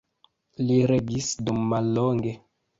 Li regis dum mallonge.